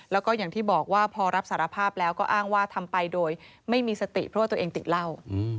แล้วก็อย่างที่บอกว่าพอรับสารภาพแล้วก็อ้างว่าทำไปโดยไม่มีสติเพราะว่าตัวเองติดเหล้า